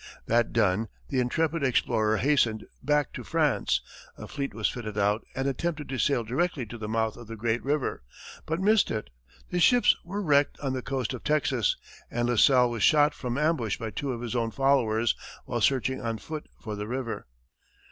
That done, the intrepid explorer hastened back to France; a fleet was fitted out and attempted to sail directly to the mouth of the great river, but missed it; the ships were wrecked on the coast of Texas, and La Salle was shot from ambush by two of his own followers while searching on foot for the river.